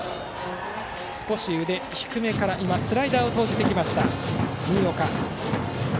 少し腕、低めからスライダーを投じてきました新岡。